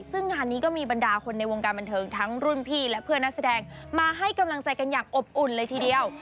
ซึ่งงานนี้ก็มีบรรดาคนในวงการบันเทิงทั้งรุ่นพี่และเพื่อนนักแสดงมาให้กำลังใจกันอย่างอบอุ่นเลยทีเดียว